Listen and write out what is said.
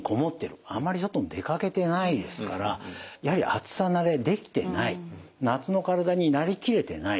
あんまり外に出かけてないですからやはり夏の体になりきれてない。